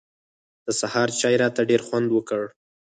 د سهار چای راته ډېر خوند وکړ.